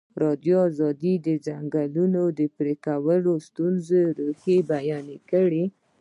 ازادي راډیو د د ځنګلونو پرېکول د ستونزو رېښه بیان کړې.